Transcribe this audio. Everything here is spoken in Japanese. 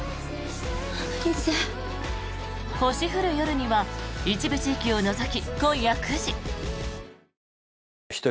「星降る夜に」は一部地域を除き、今夜９時。